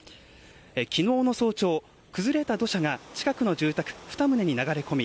昨日の早朝、崩れた土砂が近くの住宅２棟に流れ込み